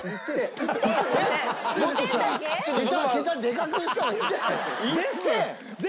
もっとさ桁でかくした方がいいんじゃない？